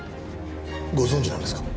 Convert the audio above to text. ご存じなんですか？